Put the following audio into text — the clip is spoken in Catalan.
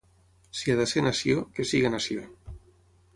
Si ha de ser nació, que sigui nació.